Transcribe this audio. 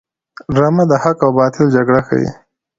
ډرامه د حق او باطل جګړه ښيي